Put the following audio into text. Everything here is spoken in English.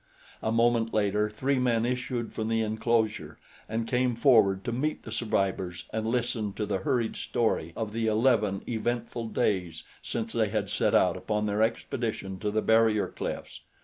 A moment later three men issued from the inclosure and came forward to meet the survivors and listen to the hurried story of the eleven eventful days since they had set out upon their expedition to the barrier cliffs.